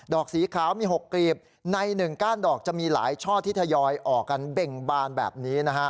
อกสีขาวมี๖กรีบใน๑ก้านดอกจะมีหลายช่อที่ทยอยออกกันเบ่งบานแบบนี้นะฮะ